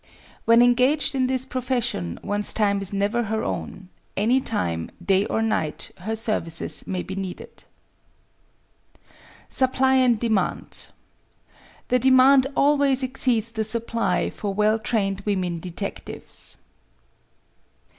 When engaged in this profession one's time is never her own. Any time, day or night, her services may be needed. 98 CAREERS FOR WOMEN Supply and demand The demand always exceeds the supply for well trained women detectives.